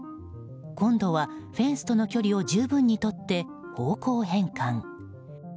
今度はフェンスとの距離を十分にとって方向変換。